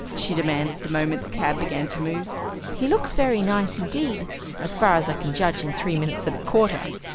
she demanded, the moment the cab began to move. "He looks very nice indeed, as far as I can judge in three minutes and a quarter."